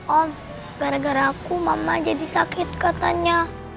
om gara gara aku mama jadi sakit katanya